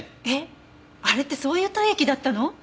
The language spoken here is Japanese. えっ？あれってそういう体液だったの？